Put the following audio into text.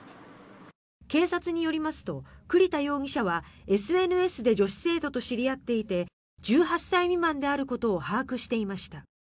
警察によりますと栗田容疑者はＳＮＳで女子生徒と知り合っていて１８歳未満であることを把握していました。